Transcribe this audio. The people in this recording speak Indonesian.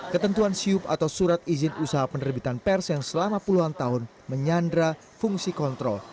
ketentuan siup atau surat izin usaha penerbitan pers yang selama puluhan tahun menyandra fungsi kontrol